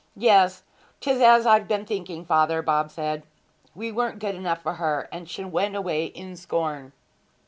'Yes, 'tis as I've been thinking, father,' Bob said. 'We weren't good enough for her, and she went away in scorn!'